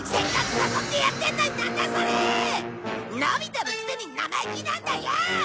のび太のくせに生意気なんだよ！